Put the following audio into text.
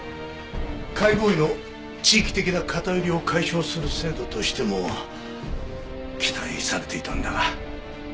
解剖医の地域的な偏りを解消する制度としても期待されていたんだが。